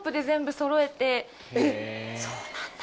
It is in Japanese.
えっそうなんだ。